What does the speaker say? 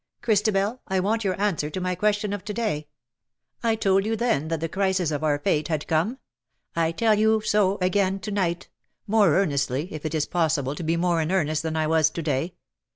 Christabel, I want your answer to my question of to day. I told you then that the crisis of our fate had come. I tell you so again to night — more earnestly, if it is possible to be more in earnest than I was to day.